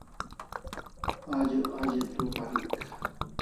Ajo a ze tu parik